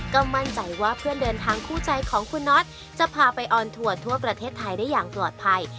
ก็มั่นใจว่าเพื่อนเดินทางคู่ใจของคุณน็อตจะพาไปออนทัวร์ทั่วประเทศไทยได้อย่างปลอดภัย